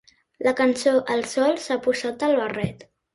La canço El sol s'ha posat el barret.